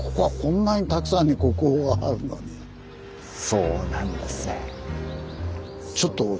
そうなんですね。